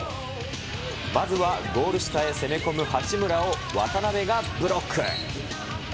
まずはゴール下へ攻め込む八村を、渡邊がブロック。